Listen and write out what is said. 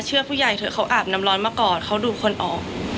ผู้ใหญ่เถอะเขาอาบน้ำร้อนมาก่อนเขาดูคนออก